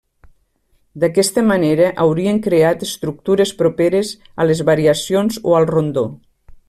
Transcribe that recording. D'aquesta manera haurien creat estructures properes a les variacions o al rondó.